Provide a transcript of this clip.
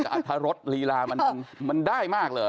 อรรถรัสรีราคมากเลย